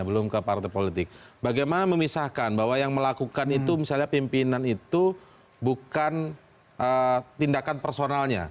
belum ke partai politik bagaimana memisahkan bahwa yang melakukan itu misalnya pimpinan itu bukan tindakan personalnya